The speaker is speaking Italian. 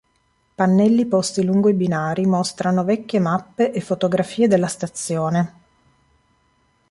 Pannelli posti lungo i binari mostrano vecchie mappe e fotografie della stazione.